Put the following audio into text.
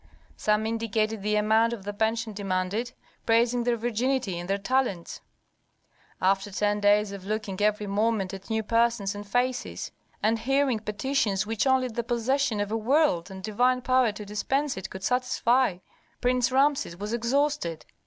Some indicated the amount of the pension demanded, praising their virginity and their talents. After ten days of looking every moment at new persons and faces, and hearing petitions which only the possession of a world and divine power to dispense it could satisfy, Prince Rameses was exhausted.